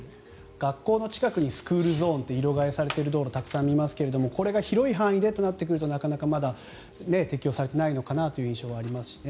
学校の近くにスクールゾーンって色替えされている道路をたくさん見ますがこれが広い範囲でとなるとなかなか、まだ適用されていないのかなという印象はありますね。